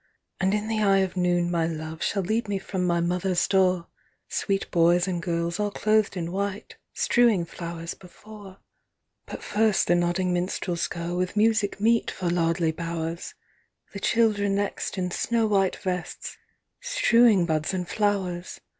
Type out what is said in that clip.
And in the eye of noon my love Shall lead me from my mother's door, 50 Sweet boys and girls all clothed in white Strewing flowers before: But first the nodding minstrels go With music meet for lordly bowers, The children next in snow white vests, 55 Strewing buds and flowers!